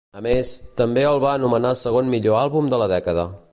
A més, també el va nomenar segon millor àlbum de la dècada.